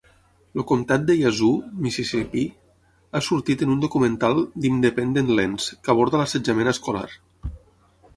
El comtat de Yazoo (Mississipí) ha sortit en un documental d'Independent Lens que aborda l'assetjament escolar.